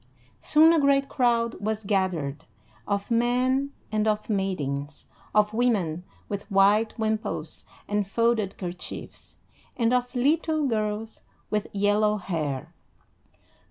Soon a great crowd was gathered, of men and of maidens, of women with white wimples and folded kerchiefs, and of little girls with yellow hair.